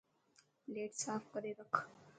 پليٽ صاف ڪري رک.